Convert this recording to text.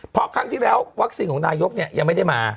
เพราะครั้งที่แล้ววัคซีนของนายกยังไม่ได้มา